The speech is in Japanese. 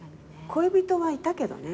恋人はいたけどね。